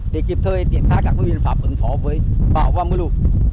để kịp thời triển khai các nguyên pháp ứng phó với bão và mưa lù